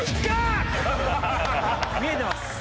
見えてます。